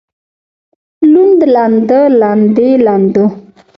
لوند لنده لندې لندو